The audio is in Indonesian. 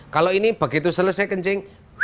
kalau ini begitu selesai kencing